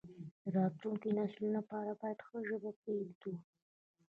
د راتلونکو نسلونو لپاره باید ښه ژبه پریږدو.